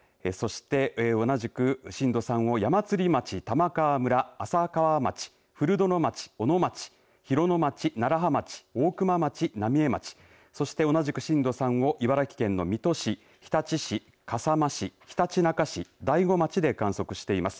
同じく震度３を矢祭町、玉川村浅川町、古殿町、小野町広野町、楢葉町、大熊町浪江町、そして同じく震度３を茨城県の水戸市日立市、笠間市、ひたちなか市大子町で観測しています。